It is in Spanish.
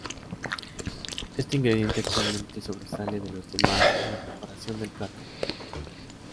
Este ingrediente actualmente sobresale de los demás en la preparación del plato.